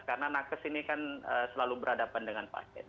karena nakes ini kan selalu berhadapan dengan vaksin